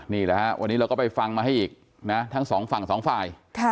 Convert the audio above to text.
นี่แล้ววันนี้เราก็ไปฟังมาให้อีกนะทั้ง๒ฝั่ง๒ฝ่าย